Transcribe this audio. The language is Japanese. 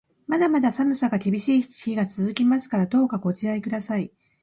まだまだ寒さが厳しい日が続きますから、どうかご自愛ください。